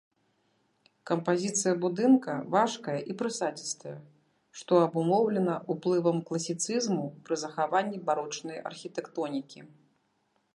Кампазіцыя будынка важкая і прысадзістая, што абумоўлена ўплывам класіцызму пры захаванні барочнай архітэктонікі.